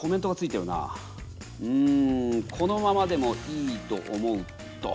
うん「このままでもいいと思う」と。